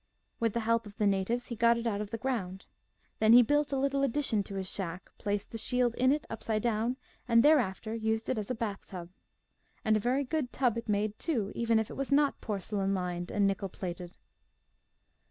With the help of the natives he got it out of the ground. Then he built a little addition to his shack, placed the shield in it upside down antl thereafter used it as a bathtub. And a very good tub it made, too, even if it was not porcelain lined and nickel plated.